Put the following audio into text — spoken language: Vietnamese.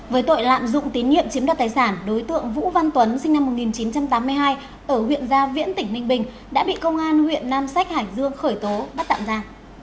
với tội lạm dụng tín nhiệm chiếm đoạt tài sản đối tượng vũ văn tuấn sinh năm một nghìn chín trăm tám mươi hai ở huyện gia viễn tỉnh ninh bình đã bị công an huyện nam sách hải dương khởi tố bắt tạm ra